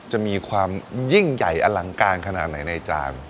จะมีความยิ่งใหญ่อลังการขนาดไหนในจาน